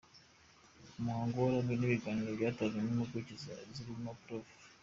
Umuhango waranzwe n’ibiganiro byatanzwe n’impuguke zirimo Prof.